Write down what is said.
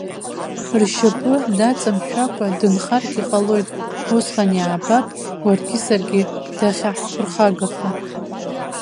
Ршьапы даҵамшәакәа дынхаргьы ҟалоит, усҟан иаабап уаргьы саргьы дахьаҳԥырхагоу.